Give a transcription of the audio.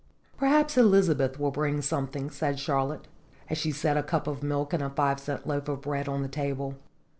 "Perhaps Elizabeth will bring something," said Charlotte, as she set a cup of milk and a five cent loaf of bread on the table.